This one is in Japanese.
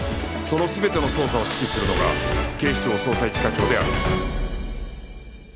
その全ての捜査を指揮するのが警視庁捜査一課長である